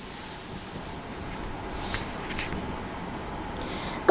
công an tỉnh cà mau